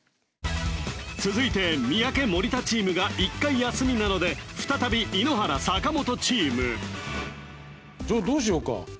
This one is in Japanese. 続いて三宅森田チームが１回休みなので再び井ノ原坂本チームじゃあどうしようか？